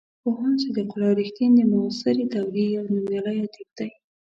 پوهاند صدیق الله رښتین د معاصرې دورې یو نومیالی ادیب دی.